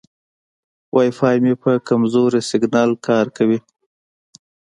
وای فای مې په کمزوري سیګنال کار کوي.